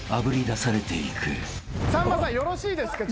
さんまさんよろしいですか？